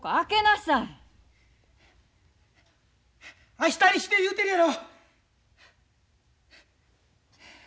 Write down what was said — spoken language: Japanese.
・明日にして言うてるやろ！